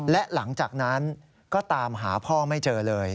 และหลังจากนั้นก็ตามหาพ่อไม่เจอเลย